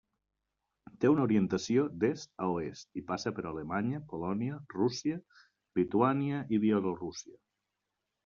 Té una orientació d'est a oest i passa per Alemanya, Polònia, Rússia, Lituània i Bielorússia.